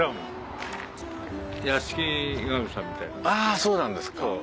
ああそうなんですか。